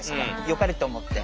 よかれと思って。